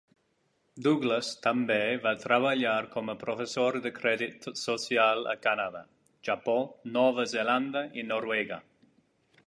Douglas també va treballar com a professor de crèdit social a Canadà, Japó, Nova Zelanda i Noruega.